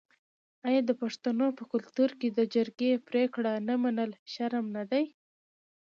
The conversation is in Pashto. آیا د پښتنو په کلتور کې د جرګې پریکړه نه منل شرم نه دی؟